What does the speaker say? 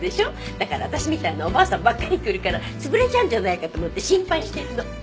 だから私みたいなおばあさんばっかり来るから潰れちゃうんじゃないかと思って心配してるの。